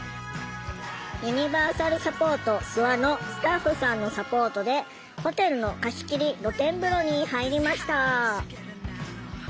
「ユニバーサルサポートすわ」のスタッフさんのサポートでホテルの貸し切り露天風呂に入りました。